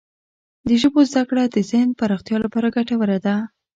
د ژبو زده کړه د ذهن پراختیا لپاره ګټوره ده.